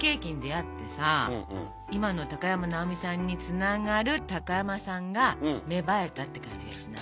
今の高山なおみさんにつながる高山さんが芽生えたって感じがしない？